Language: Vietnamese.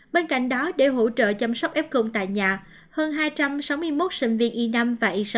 bên cạnh đó để hỗ trợ chăm sóc ép cung tại nhà hơn hai trăm sáu mươi một sinh viên y năm và y sáu